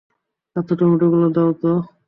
আচ্ছা, টমেটোগুলো দাও তো।